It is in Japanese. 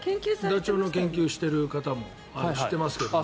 ダチョウの研究してる方も知ってますけど。